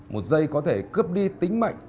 một dây có thể cướp đi tính mạnh